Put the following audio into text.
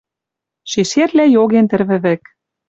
Ши шерлӓ йоген тӹрвӹ вӹк.